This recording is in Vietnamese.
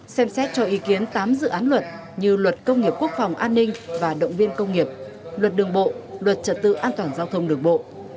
xem xét cho ý kiến tám dự án luật như luật công nghiệp quốc phòng an ninh và động viên công nghiệp luật đường bộ luật trật tự an toàn giao thông đường bộ